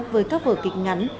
với các vở kịch ngắn